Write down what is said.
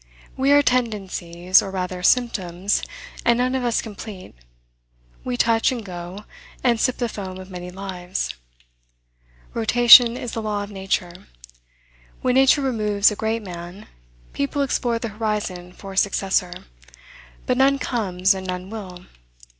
We are tendencies, or rather, symptoms, and none of us complete. We touch and go, and sip the foam of many lives. Rotation is the law of nature. When nature removes a great man, people explore the horizon for a successor; but none comes and none will.